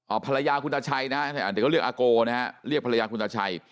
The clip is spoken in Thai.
ภรรยาคุณตาชัยนะฮะเดี๋ยวก็เรียกอาโกนะฮะเรียกภรรยาคุณตาชัย